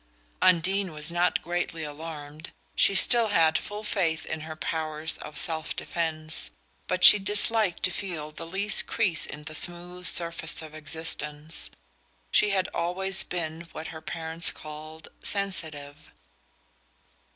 Undine was not greatly alarmed she still had full faith in her powers of self defense; but she disliked to feel the least crease in the smooth surface of existence. She had always been what her parents called "sensitive."